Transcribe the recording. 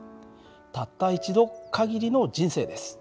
たった一度限りの人生です。